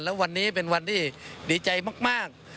แล้ววันนี้เป็นวันที่ดีใจมาก